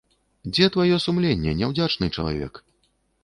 Дзе тваё сумленне, няўдзячны чалавек?